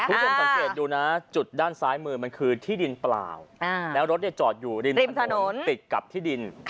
คุณผู้ชมสังเกตดูนะจุดด้านซ้ายมือมันคือที่ดินเปล่าแล้วรถจอดอยู่ริมถนนติดกับที่ดิน